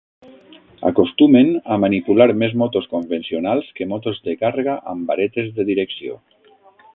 Acostumen a manipular més motos convencionals que motos de càrrega amb varetes de direcció.